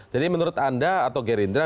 jadi menurut anda atau gerindra